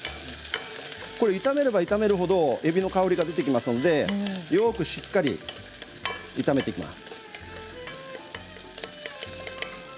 炒めれば炒めるほどえびの香りが出てきますのでよくしっかり炒めていきます。